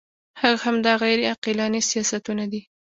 هغه همدا غیر عقلاني سیاستونه دي.